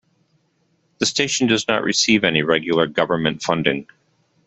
The station does not receive any regular Government funding.